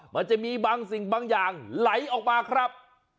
มันจะมีบางสิ่งบางอย่างไหลออกมาครับ